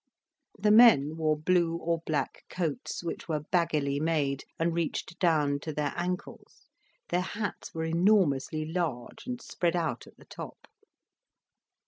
The men wore blue or black coats, which were baggily made, and reached down to their ankles; their hats were enormously large, and spread out at the top.